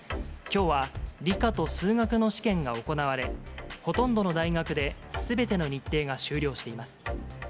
きょうは理科と数学の試験が行われ、ほとんどの大学ですべての日程が終了しています。